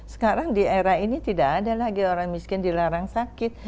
sekarang di era ini tidak ada lagi orang miskin dilarang sakit